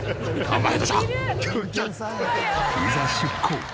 いざ出航！